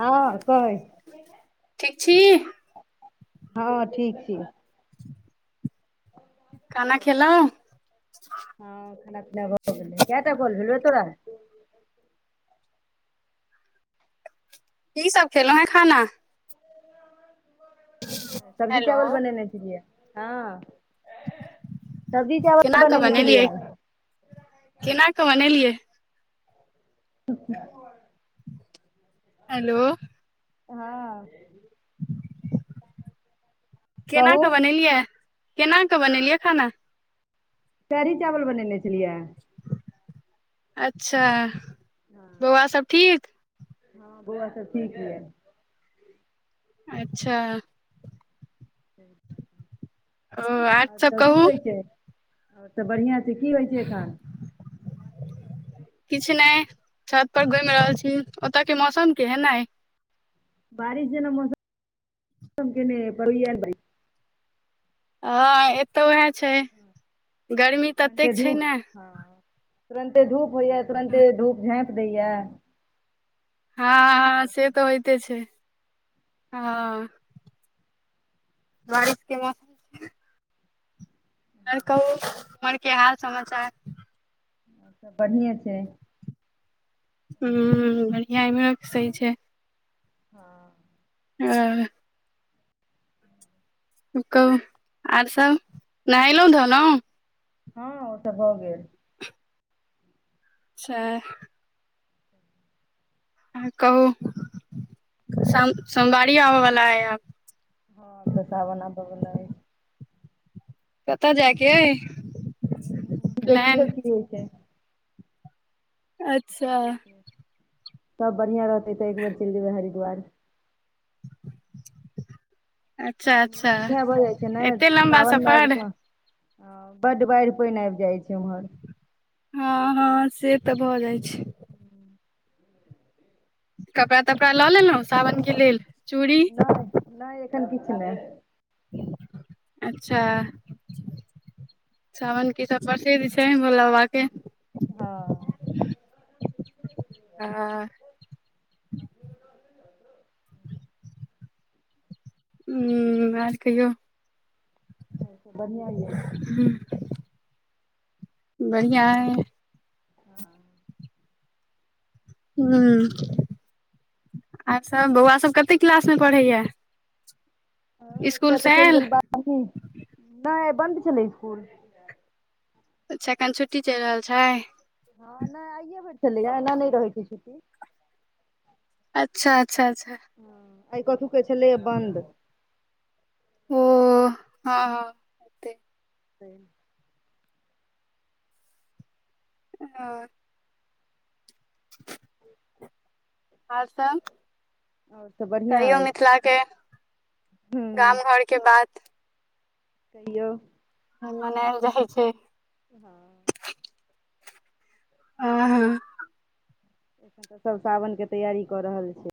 हँ कहे ठीक छी हँ ठीक छै खाना खेलो हँ खाना पीना भऽ गेलै कटा बोल भेलो तोरा की सब खेलहुं हें खाना सब्जी हेलो चावल बनेने छलियै हँ सब्जी चावल केना कऽ बनेने बनेलियै छलिअइ केना कऽ बनेलियै [unintelligible] हलो हँ केना कहू कऽ बनेलियै केना कऽ बनेलियै खाना कढ़ी चावल बनेने छलियै अच्छा बौआ सब ठीक हँ बौआ सब ठीक छै अच्छा [unintelligible] ओ आर सब कहू आ तऽ बढ़िआँ छै की होइ छै एखन किछु नइ छत पर घुमि रहल छी ओतऽ के मौसम केेहन अइ बारिश जेना मौसम केने अइ परैअ नइ हँ एतौ उएह छै गर्मी तुरन्ते ततेक छै धूप न हँ तुरन्ते धूप होइया तुरन्ते धूप झाँपि दैया। हँ हँ से तऽ होइते छैय हँ। बारिश के मौसम आर कहु उम्हर के हाल समाचार? बन्हिए छैय। हूं बढ़िआ अय ने सही छैय। [inaudible] ओ कहू आओर सब नहेलहुँ आओर सब धोलहुँ? हँ ओ तऽ भऽ गेल। अच्छा कहू सोमवारी आबऽवला अय आब। [unintelligible] कतऽ जायके अइ? प्लान देखियौ कि होइ छैय। अच्छा सब बढ़िआँ रहतै तऽ एक बेर चलि जेबै हरिद्वार। [inaudible] अच्छा अच्छा लइहे भऽ जाइ छैय ने एते लम्बा सावनमें आइब सफर कऽ। ह बड्ड बाढ़ि पानि आबि जाइ छैय ओम्हर। हँ हँ से तऽ भऽ जाइ छैय। [inaudible] कपड़ा तपड़ा लऽ लेलहुँ सावनके लेल? चूड़ी नहि नहि एखन किछु नहि। अच्छा सावनक की सब प्रसिद्ध छैय भोला बाबा के। आ हां [inaudible] हूं आर कहियौ। बन्हिआ अय। हूं बढ़िआं अय। हूं आर सब बौआ सब कतेक क्लास मे पढ़ैया इसकूल से आयल? अभी नहि बन्द छलै इसकुल। अच्छा कायल छुट्टी चलि रहल छैय। हँ नहि आइए होइत छलैए एना नहि रहैत छैय छुट्टी। अच्छा अच्छा अच्छा आइ कथहु के छलै बन्द। ओ हां हं [inaudible] अ आओर सब आओर सब बढ़िआँ कहियो अछि मिथिला के हूँ गाम घर के बात। कहियौ। मनेल जाइ छैय। [inaudible] अ ह सब सावन के तैयारी क रहल छैय।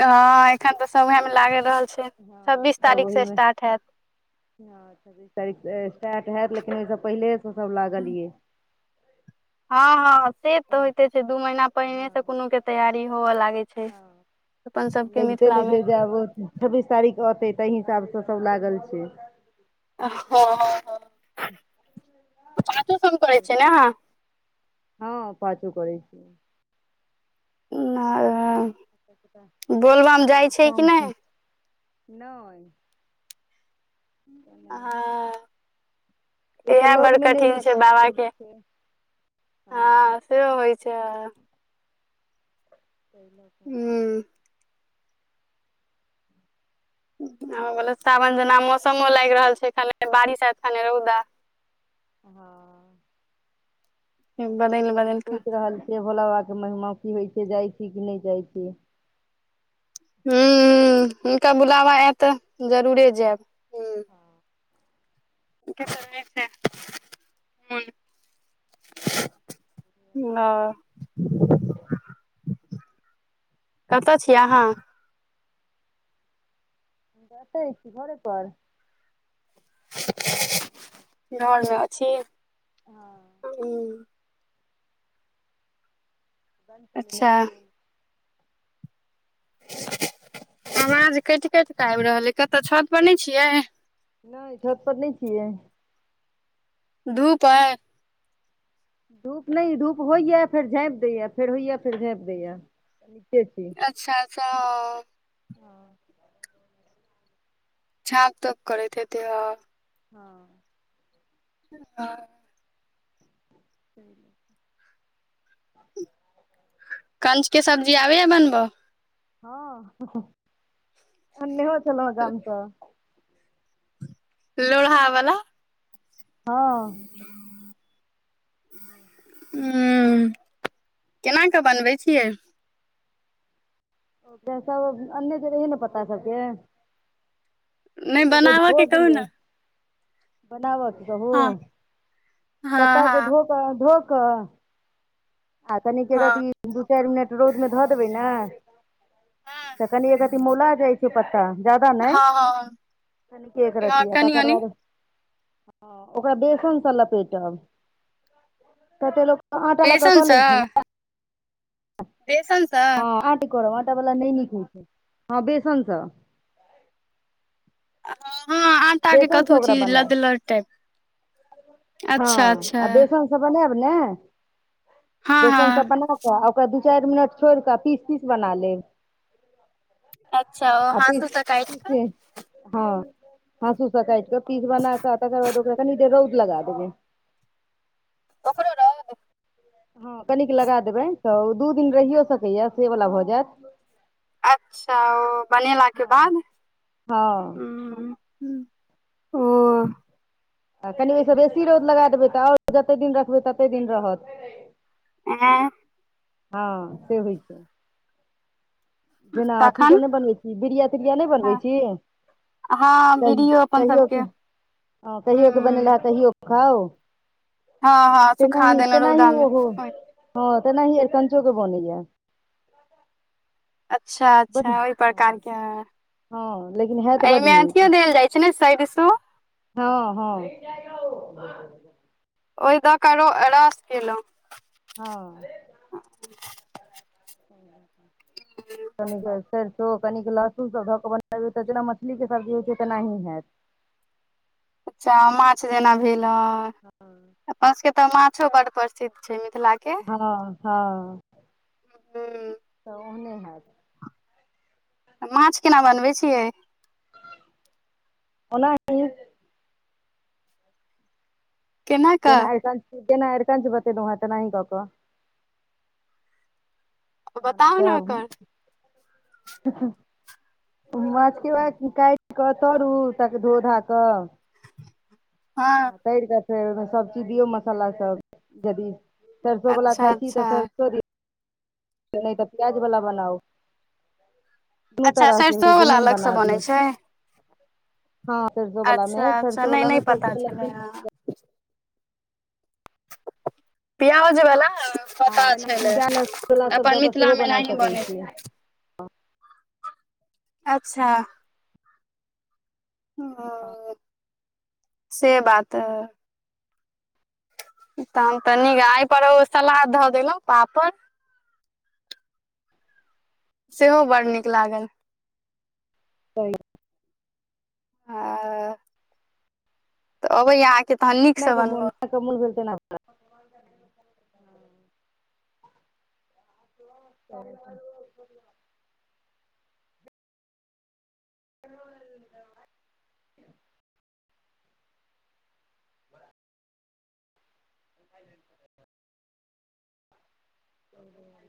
हँ एखन तऽ सब उहेमे लागल रहल छैय छब्बीस सभ तारीख से ओहिमे स्टार्ट हैत। तारीख स्टार्ट होैत लेकिन ओहिसँ पहिलेसँ सब लागलियै। हँ हँ, से तऽ हँ होइते छै। दू महीना पहिने सँ हँ कोनो कोनो तैयारी होबए लगै छै। अपन सबके लगिते मिथिला ने, मे फेर जे आब छब्बीस तारीख अबै ताहि हिसाब सँ सभ लागल छै। हँ, पाछो सेहो करै छै ने। हँ, पाछो करै छी। बोलबम जाइ छै कि नहि? नहि हँ, ई तऽ इएह बड़ लगमे नहि ने कठिन छै दूर बाबाकेँ। छै हँ से होइ छै। [unintelligible] ह सावन जेना मौसमो लागि रहल छै, खने बारिश अबै छै खने रौदा निकलि जाइ छै। हँ, आब देख बदलि बेर बदलि कऽ सोचि रहल। से भोला बाबाके महिमा की होइत छै, जाइत छी कि नहि जाइत छी। हूँ हँ, हुनका बुलावा आयत तऽ जरूर जायब। हँ सम छै, हुन न [unintelligible] कतऽ छी अहाँ? एते छी, घरे पर। घरमे छी हँ ह बन चलल अच्छा [unintelligible] आवाज कटि कटि कऽ आबि रहलै, कतऽ? छत पर नहि छी अहाँ? नहि, ई छत पर नहि छी। धूप आइ। धूप नहि, धूप होइ छै, फेर झाँपि दै छै, फेर होइ छै, फेर झाँपि दै छै। नचे छी अच्छा अच्छा छाँप धूप करैत हेत। हँ ह [unintelligible] [inaudible] कंचके सब्जी आबै छै, बनबो। हँ, अनेहो छलल मगाम तऽ। लोहा वाला हँ हँ हँ, केना कऽ बनबै छियै? पैस अन्य जे रहै ने, पता सभकेँ। नहि तऽ बनाबऽ धो के कहू दियै, ने बनाबऽ कहू। हँ पत्ता हँ के हँ धोके धो कऽ। आ तनिके हँ रखि दू चारि मिनट रौदमे धऽ देबै ने। तऽ कनि एकति मुला जाइ। चुप्ता ज्यादा नहि, हँ हँ कनि केक हँ रतिया, कनि तकर कनि बाद। ओकरा बेसन सँ लपेटब कते लोक। आँटा लऽ कऽ लै बेसनसँ छ ने। बेसन। हँ, आटा करब, आटा वाला नहि नीक होइ छै। हँ, बेसन सँ। हँ, आटा के बेसनसँ कतहु ओकरा छी बनायब लदलह टाइप। अच्छा हँ, अच्छा आ बेसन सभ बनायब ने, हँ बेसन हँ सभ बना। तऽ ओकरा दू चारि मिनट छोड़ि कऽ पीसि तैयार बना लेब। अच्छा ओ आ तऽ हासू से ई काटि कऽ छै। हँ हँ सुूसा काट कऽ पीस बना कऽ तकर बाद ओकरा कनि दे रौद लगा देबै ओकरो रौद हँ कनिक लगा देबै तऽ ओ दू दिन रहिो सकैए से वला भऽ जायत अच्छा ओ बनेलाके हँ बाद हँ ह कनि ओहिसँ बेसी रोद लगा देबै तऽ आओर जतेक दिन रखबै ततेक दिन रहत एँ हँ से होइ छै जेना अथी सब तखन नहि बनबै छी बीरिया तिरिया नहि हँ बनबै छी हँ क बीड़ियो अपन कहियो सबके के हूं कहियो के बनेला कहियो खाओ हँ हँ सुखा तेनहि देने रौदा तेनहि मे ओहो ओहि हँ तेनादि अरकञ्चोक के बनैया अच्छा बड अच्छा ओहि हँ प्रकारके है हँ लेकिन हैत बड एहिमे अथिियो नीक देल जाइ छै ने सरसो हँ हँ ओहि दऽकारो रस केलहुँ हँ सनी कहाल फर तऽ कनिक लहसुनसभ धऽ कऽ बनाबै तऽ जेना मछलीके सब्जी होइ छै तेनाही होयैत अच्छा माछ जेना भेल ह अपना सभके तऽ माछ कि बड़ प्रसिद्ध छै मिथिला हँ हँ हँ तऽ ओ नहि है माछ केना बनबै छियै ओना ही केना जेना कऽ आरक जेना आरकान छै बत न हो तऽ नहि क क बताउ ने ओकर [unintelligible] माछके काटि क तरू ताक धो घा कऽ हँ तर कऽ फेर ओहिमे सबचीज दियौ मसालाभ यदि सरसोवला अच्छा खाइ छी अच्छा तऽ सरिसो द त नहि तऽ प्याज वला बनाउ ू तऽ अच्छा रख सरिसो द वला जेहन अलग बना सँ दिय बनै छै हँ सरसो बला में अच्छा अच्छा सरसो नहि नहि बलामे सरो पता बला छलै हँ पिआज बला आ पता एना छलै डालक छोला सब दऽ अपन कऽ मिथिला सेहो मे बना एनाही बनै सकैत छै छी। अच्छा ह से बात तऽ हम त नीक एहि पर ओ सलाद धऽ देलहुँ पापड़ सेहो बड़ नीक लागल कहियो आ तऽ अब यह क मल क मूल फत [unintelligible] [inaudible] ब ओ